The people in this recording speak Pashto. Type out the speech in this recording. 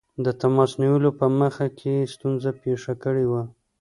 د تماس نیولو په مخ کې ستونزه پېښه کړې وه.